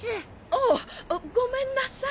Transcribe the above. ああっごめんなさい。